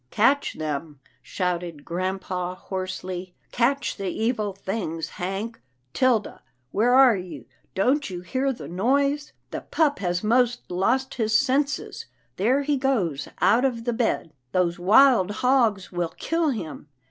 " Catch them," shouted grampa, hoarsely, " catch the evil things. Hank, Tilda, where are you? Don't you hear the noise? — The pup has most lost his senses — there he goes out of the bed. PERLETTA'S PETS 225 Those wild hogs will kill him.